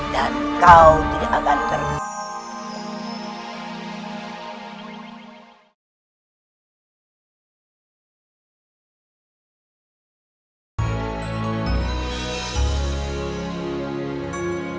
dan kau tidak akan terkalahkan